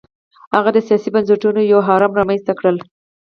هغه د سیاسي بنسټونو یو هرم رامنځته کړل.